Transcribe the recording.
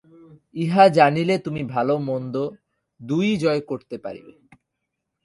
ইহা জানিলে তুমি ভাল-মন্দ দুই-ই জয় করিতে পারিবে।